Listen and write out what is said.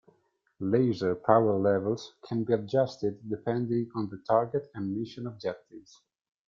Laser power levels can be adjusted depending on the target and mission objectives.